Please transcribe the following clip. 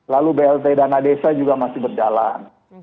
lalu blt dan adesa juga masih berjalan